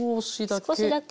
少しだけ。